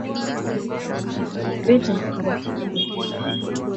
beta karotini vitamini C na E ambazo ni anti oksidanti husaidia kutukinga na saratani